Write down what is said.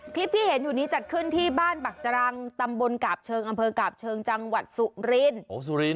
คลิปที่เห็นอยู่นี้จัดขึ้นที่บ้านปักจรังตำบลกาบเชิงอำเภอกาบเชิงจังหวัดสุรินทร์